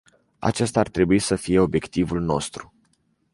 Acesta ar trebui să fie obiectivul nostru.